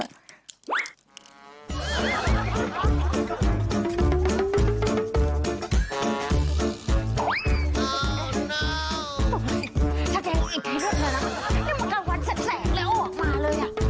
แสดงนี่มันกำลังแสดงเลยออกมาเลยเลี่ย